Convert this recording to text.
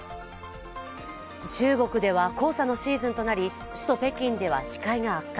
中国では黄砂のシーズンとなり、首都北京では視界が悪化。